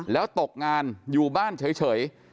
แล้วตกงานอยู่บ้านเฉย